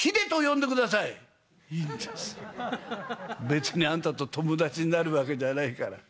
別にあんたと友達になるわけじゃないから。